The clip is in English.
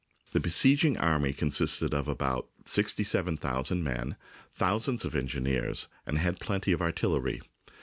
The besieging army con sisted of about sixty seven thousand men, thousands of engineers, and had plenty of artillery.